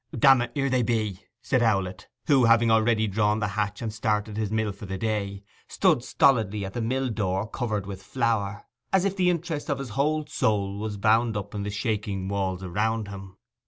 'Damn it, here they be,' said Owlett, who, having already drawn the hatch and started his mill for the day, stood stolidly at the mill door covered with flour, as if the interest of his whole soul was bound up in the shaking walls around him.